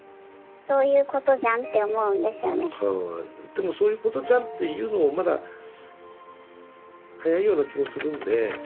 でも「そういうことじゃん」って言うのもまだ早いような気もするんで。